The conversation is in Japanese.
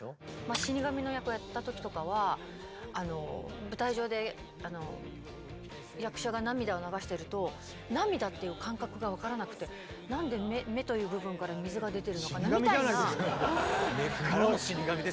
死神の役やった時とかは舞台上で役者が涙を流してると涙っていう感覚が分からなくてなんで目という部分から水が出てるのかなみたいな。